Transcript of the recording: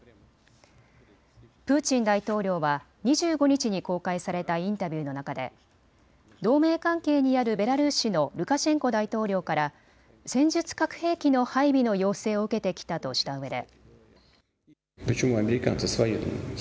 プーチン大統領は２５日に公開されたインタビューの中で同盟関係にあるベラルーシのルカシェンコ大統領から戦術核兵器の配備の要請を受けてきたとしたうえで。